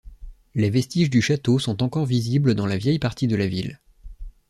Les vestiges du château sont encore visibles dans la vieille partie de la ville.